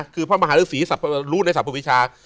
คือพระมหาลึกศรีรู้ในสรรพวิชา